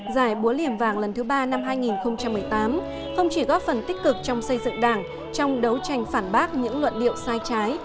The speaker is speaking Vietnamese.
giải búa liềm vàng lần thứ ba năm hai nghìn một mươi tám không chỉ góp phần tích cực trong xây dựng đảng trong đấu tranh phản bác những luận điệu sai trái